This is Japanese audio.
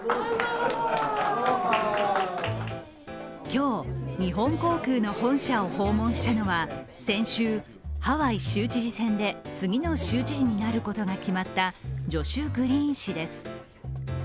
今日、日本航空の本社を訪問したのは先週、ハワイ州知事選で次の州知事になることが決まったジョシュ・グリーン氏です。